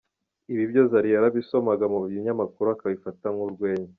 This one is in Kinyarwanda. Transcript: Ibi byose Zari yarabisomaga mu binyamakuru akabifata nk’urwenya.